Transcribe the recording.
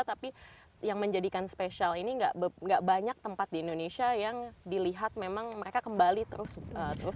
tapi yang menjadikan spesial ini nggak banyak tempat di indonesia yang dilihat memang mereka kembali terus menerus